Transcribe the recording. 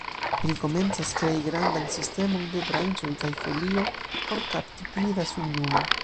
Ri komencas krei grandan sistemon de branĉoj kaj folio, por kapti pli da sunlumo.